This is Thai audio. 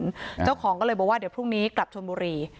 เจ้าของก็เลยบอกว่าเดี๋ยวพรุ่งนี้กลับชนบุรี